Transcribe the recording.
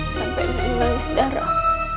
sampai nek melis darah